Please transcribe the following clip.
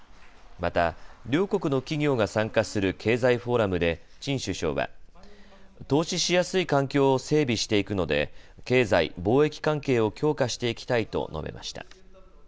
また、両国の企業が参加する経済フォーラムでチン首相は投資しやすい環境を整備していくので経済・貿易関係を強化していきたいと述べました。